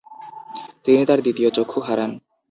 তিনি তার দ্বিতীয় চক্ষু হারান।